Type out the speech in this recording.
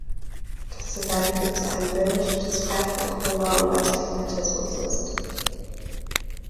Das Design führt zu einem Bild, das frei von Koma und Astigmatismus ist.